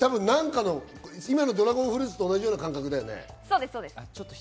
今のドラゴンフルーツと同じような感覚だよね。